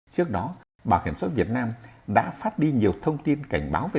trước đó bảo hiểm sội việt nam đã phát đi nhiều thông tin cảnh báo về tình hình